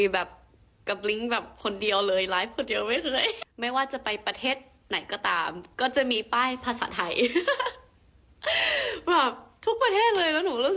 แบบทุกประเทศเลยนะนึกให้ผมรู้สึกวัดว่าเลย